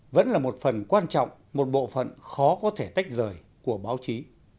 vẫn là một phần quan trọng một bộ phận khó có thể tách rời của báo chí